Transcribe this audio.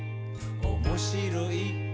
「おもしろい？